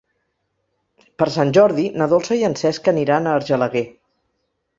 Per Sant Jordi na Dolça i en Cesc aniran a Argelaguer.